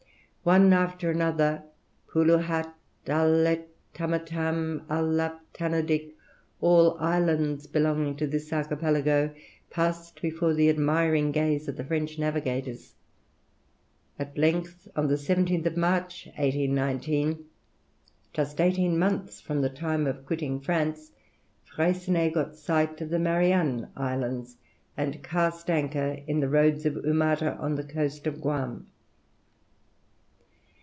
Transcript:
One after another Poulouhat, Alet, Tamatam, Allap, Tanadik, all islands belonging to this archipelago, passed before the admiring gaze of the French navigators. At length, on the 17th of March, 1819, just eighteen months from the time of quitting France, Freycinet got sight of the Marianne Islands, and cast anchor in the roads of Umata on the coast of Guam.